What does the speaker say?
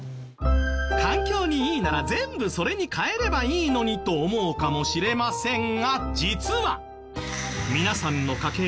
環境にいいなら全部それに代えればいいのにと思うかもしれませんが実は。